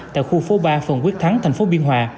tại khu phố ba phường quyết thắng thành phố biên hòa